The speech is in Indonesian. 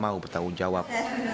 mau bertanggung jawab